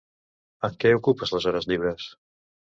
En què ocupes les hores lliures?